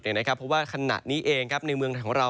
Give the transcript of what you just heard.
เพราะว่าขณะนี้เองในเมืองไทยของเรา